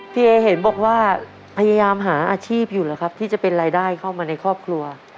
เอเห็นบอกว่าพยายามหาอาชีพอยู่แล้วครับที่จะเป็นรายได้เข้ามาในครอบครัว